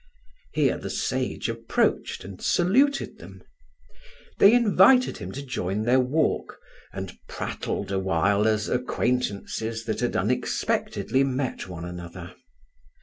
Here the sage approached and saluted them. They invited him to join their walk, and prattled awhile as acquaintance that had unexpectedly met one another.